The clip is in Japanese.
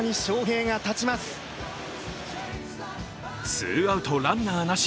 ツーアウトランナーなし。